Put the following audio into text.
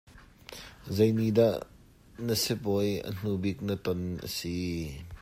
Zei ni dah na sibawi a hnubik na ton a si?